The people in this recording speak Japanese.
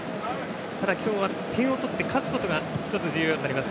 ただ今日は点を取って勝つことが重要となります。